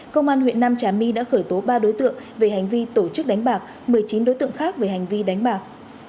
công an huyện nam trà my đã khởi tố ba đối tượng về hành vi tổ chức đánh bạc một mươi chín đối tượng khác về hành vi đánh bạc